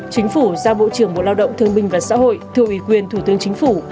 chính phủ giao bộ trưởng bộ lao động thương minh và xã hội thư ủy quyền thủ tướng chính phủ